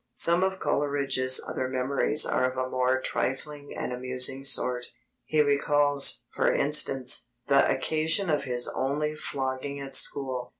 Some of Coleridge's other memories are of a more trifling and amusing sort. He recalls, for instance, the occasion of his only flogging at school.